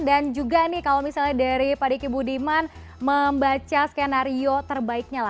dan juga nih kalau misalnya dari pak diki budiman membaca skenario terbaiknya